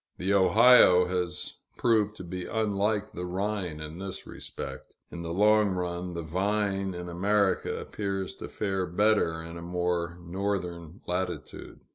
The Ohio has proved to be unlike the Rhine in this respect. In the long run, the vine in America appears to fare better in a more northern latitude.